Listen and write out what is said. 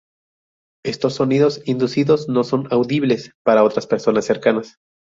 Estos sonidos inducidos no son audibles para otras personas cercanas.